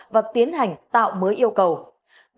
và tiến hành tài khoản định danh điện tử của công dân